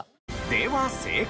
では正解。